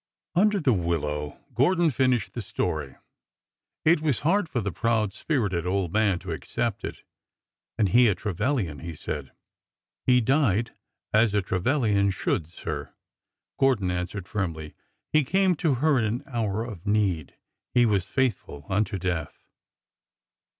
Under the willow Gordon finished the story. It was hard for the proud spirited old man to accept it. '' And he a Trevilian!" he said. He died as a Trevilian should, sir," Gordon answered firmly. He came to her in her hour of need. He was faithful unto death."